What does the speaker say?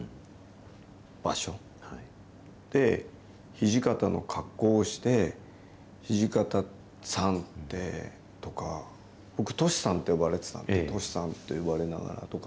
土方の格好をして、土方さんってとか。僕、歳さんって呼ばれてたんで、歳さんと呼ばれながらとか。